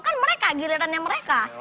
kan mereka gilirannya mereka